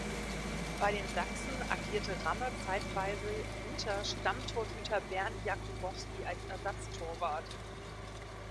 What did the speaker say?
Bei den Sachsen agierte Ramme zeitweise hinter Stammtorhüter Bernd Jakubowski als Ersatztorwart.